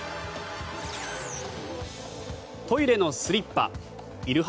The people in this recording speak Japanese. トイレのスリッパいる派？